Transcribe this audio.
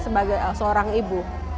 sebagai seorang ibu